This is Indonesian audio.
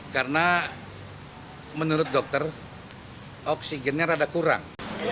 karena menurut dokter oksigennya rada kurang